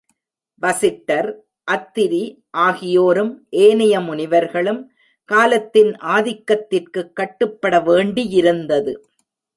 வசிட்டர், அத்திரி ஆகியோரும் ஏனைய முனிவர்களும் காலத்தின் ஆதிக்கத்திற்குக் கட்டுப்பட வேண்டியிருந்தது.